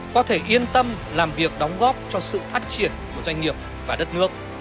có thể yên tâm làm việc đóng góp cho sự phát triển của doanh nghiệp và đất nước